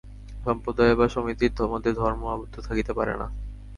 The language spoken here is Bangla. সম্প্রদায়ে বা সমিতির মধ্যে ধর্ম আবদ্ধ থাকিতে পারে না।